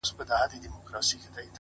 زحمت د استعداد اغېز پراخوي!